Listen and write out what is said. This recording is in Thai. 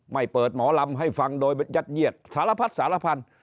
ไม่เปิดหมอลำให้ฟังโดยยัดเยียดสารพัดสารพันธุ์